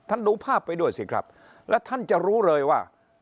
ดูภาพไปด้วยสิครับแล้วท่านจะรู้เลยว่า